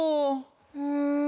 うん。